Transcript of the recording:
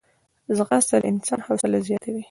ځغاسته د انسان حوصله زیاتوي